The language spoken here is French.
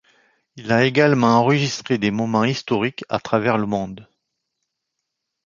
Il a également enregistré des moments historiques à travers le monde.